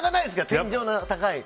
天井の高い。